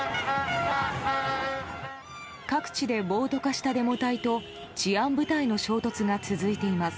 各地で暴徒化したデモ隊と治安部隊の衝突が続いています。